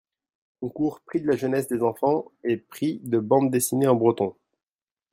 concours Prix de la Jeunesse, des enfants, et prix de bandes-dessinées en breton.